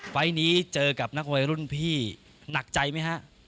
ไฟล์นี้เจอกับนักมวยรุ่นพี่หนักใจไหมฮะ